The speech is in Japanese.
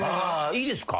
いいですか？